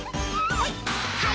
はい！